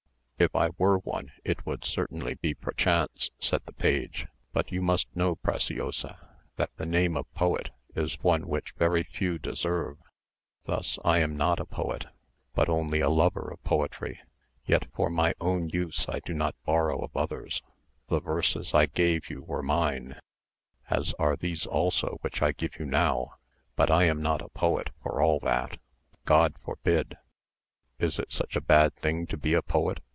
"If I were one, it would certainly be perchance," said the page; "but you must know, Preciosa, that the name of poet is one which very few deserve. Thus I am not a poet, but only a lover of poetry; yet for my own use I do not borrow of others. The verses I gave you were mine, as are these also which I give you now; but I am not a poet for all that—God forbid." "Is it such a bad thing to be a poet?"